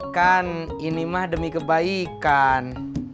kan ini mah demi kebaikan